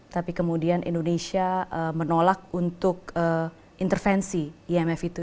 tapi kemudian indonesia menolak untuk intervensi imf itu